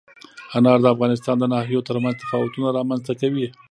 انار د افغانستان د ناحیو ترمنځ تفاوتونه رامنځ ته کوي.